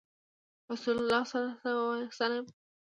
رسول الله صلی الله عليه وسلم ويلي دي :